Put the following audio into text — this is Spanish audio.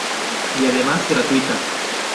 Y además, gratuita.